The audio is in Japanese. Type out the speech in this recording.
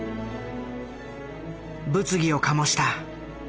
物議を醸した。